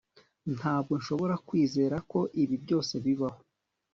Ntabwo nshobora kwizera ko ibi byose bibaho